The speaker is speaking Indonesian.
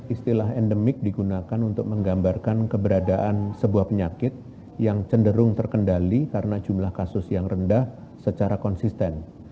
istilah endemik digunakan untuk menggambarkan keberadaan sebuah penyakit yang cenderung terkendali karena jumlah kasus yang rendah secara konsisten